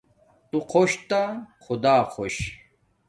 تو خوش تا خدا خوش